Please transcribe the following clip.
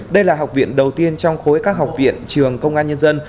đây là học viện đầu tiên trong khối các học viện trường công an nhân dân